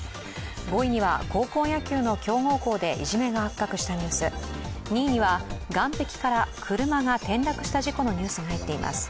５位には高校野球の強豪校でいじめが発覚したニュース、２位には、岸壁から車が転落する事故のニュースが入っています。